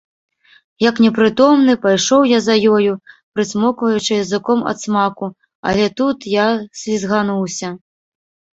Як непрытомны, пайшоў я за ёю, прыцмокваючы языком ад смаку, але тут я слізгануўся.